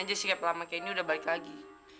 kita ke halaman sebelah oke